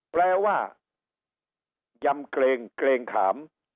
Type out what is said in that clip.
แปลว่ายำเกรงเกรงขาม